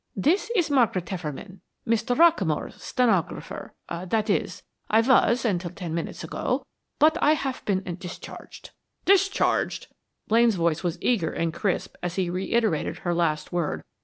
"This is Margaret Hefferman, Mr. Rockamore's stenographer that is, I was until ten minutes ago, but I have been discharged." "Discharged!" Blaine's voice was eager and crisp as he reiterated her last word.